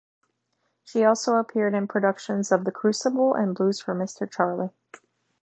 She also appeared in productions of "The Crucible" and "Blues for Mr. Charlie".